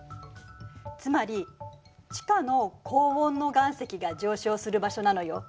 つまり地下の高温の岩石が上昇する場所なのよ。